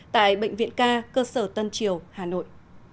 tại bệnh viện ca cơ sở tân triều hà nội